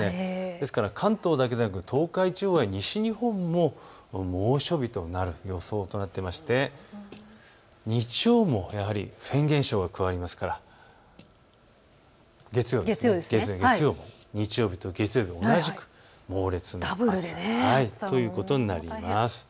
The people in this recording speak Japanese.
ですから関東だけではなく東海地方や西日本も猛暑日となる予想となっていて月曜日もやはりフェーン現象が加わりますから日曜日と月曜日も同じく猛烈な暑さとなります。